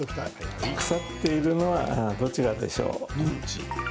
腐っているのはどちらでしょう？